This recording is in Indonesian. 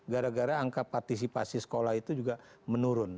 gara gara angka partisipasi sekolah itu juga menurun